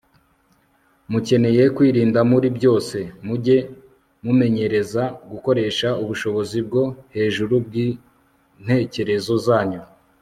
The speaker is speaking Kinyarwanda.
mukeneye kwirinda muri byose. mujye mumenyereza gukoresha ubushobozi bwo hejuru bw'intekerezo zanyu